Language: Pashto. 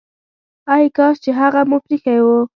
ای کاش چي هغه مو پريښی وو!